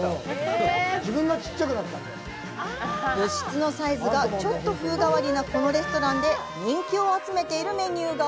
物質のサイズがちょっと風変わりなこのレストランで人気を集めているメニューが？